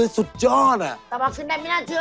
สุดยอดสตาร์บัคขึ้นได้ไม่น่าเชื่อน้อ